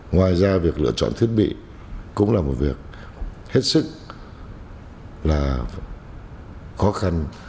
ngoài ra việc lựa chọn thiết bị cũng là một việc hết sức là khó khăn